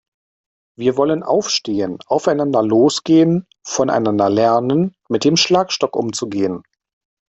Wir wollen aufstehen, aufeinander losgehen, voneinander lernen, mit dem Schlagstock umzugehen.